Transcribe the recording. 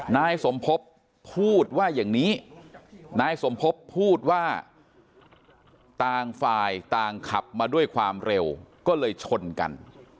นายสมภพพูดว่าอย่างนี้นายสมภพพูดว่าต่างฝ่ายต่างขับมาด้วยความเร็วก็เลยชนกัน